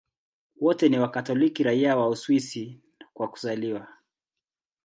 Wote ni Wakatoliki raia wa Uswisi kwa kuzaliwa.